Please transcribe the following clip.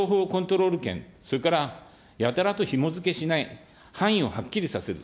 じこ情報コントロールけん、それからやたらとひも付けしない、範囲をはっきりさせる。